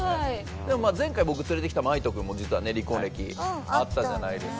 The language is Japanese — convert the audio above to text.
でもまあ前回僕連れてきたＭＡＩＴＯ君も実はね離婚歴あったじゃないですか。